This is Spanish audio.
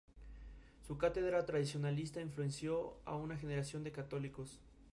Intento mostrarlo antes de que ocurran cosas malas.